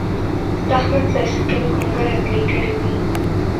د احمد باسکل کونګري غلي کړي دي.